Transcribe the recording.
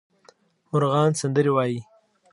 مرغان سندرې وايي